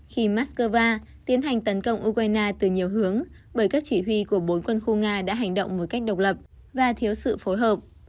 khi moscow tiến hành tấn công ukraine từ nhiều hướng bởi các chỉ huy của bốn quân khu nga đã hành động một cách độc lập và thiếu sự phối hợp